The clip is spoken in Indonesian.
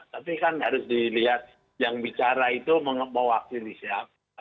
tapi kan harus dilihat yang bicara itu mewakili siapa